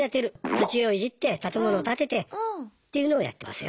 土をいじって建物建ててっていうのをやってますよ。